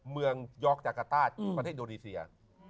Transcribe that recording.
เมืองยอกจักรต้าประเทศโดรีเซีย